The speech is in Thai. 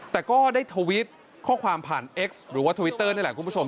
แต่ก็ได้ทวิตข้อความผ่านเอ็กซ์หรือว่าทวิตเตอร์นี่แหละคุณผู้ชม